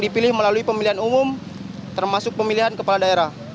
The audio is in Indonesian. dipilih melalui pemilihan umum termasuk pemilihan kepala daerah